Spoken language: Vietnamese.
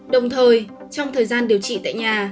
đồng thời trong thời gian điều trị tại nhà